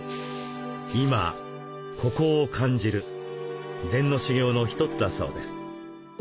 「今ここを感じる」禅の修行の一つだそうです。